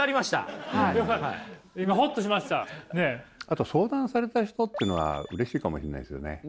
あと相談された人っていうのはうれしいかもしんないですよね。